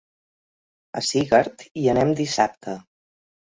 A Segart hi anem dissabte.